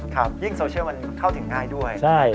ข่ะยิ่งโซเชียลเข้าถึงง่ายด้วย